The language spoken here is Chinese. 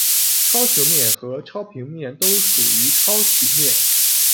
超球面和超平面都属于超曲面。